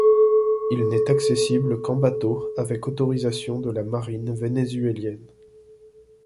Il n'est accessible qu'en bateau avec autorisation de la marine vénézuélienne.